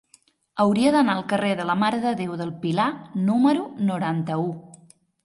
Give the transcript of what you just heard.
Hauria d'anar al carrer de la Mare de Déu del Pilar número noranta-u.